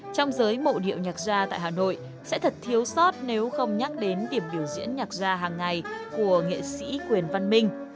trong giới mộ điệu nhạc gia tại hà nội sẽ thật thiếu sót nếu không nhắc đến điểm biểu diễn nhạc gia hàng ngày của nghệ sĩ quyền văn minh